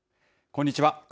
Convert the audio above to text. こんにちは。